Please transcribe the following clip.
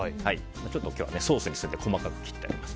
ちょっと今日はソースにするので細かく切ってあります。